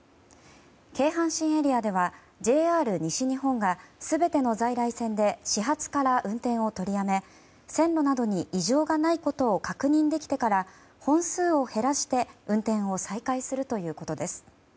京阪神エリアではＪＲ西日本が全ての在来線で始発から運転を取りやめ線路などに異常がないことを確認できてから本数を減らして運転を再開するということです。